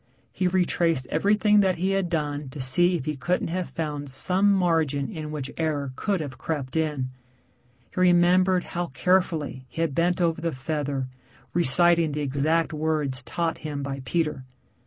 He retraced everything that he had done to see if he couldn't have found some margin in which error could have crept in. He remembered how carefully he had bent over the feather reciting the exact words taught him by Peter.